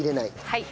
はい。